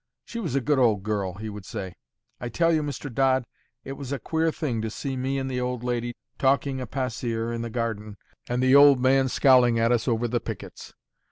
"She was a good old girl," he would say. "I tell you, Mr. Dodd, it was a queer thing to see me and the old lady talking a pasear in the garden, and the old man scowling at us over the pickets.